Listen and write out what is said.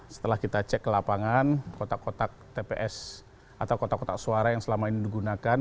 setelah kita cek ke lapangan kotak kotak tps atau kotak kotak suara yang selama ini digunakan